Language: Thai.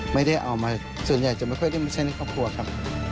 ไม่ได้เอามาส่วนใหญ่จะไม่ค่อยได้มาใช้ในครอบครัวครับ